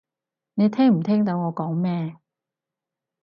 你聽唔聽到我講咩？